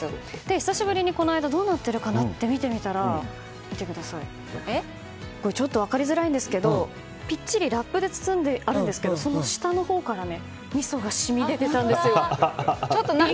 久しぶりに、この間どうなってるかなと見てみたら見てください分かりづらいんですけどぴっちりラップで包んであるんですけどその下のほうからみそが染み出てたんですよ。